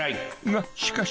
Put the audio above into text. ［がしかし］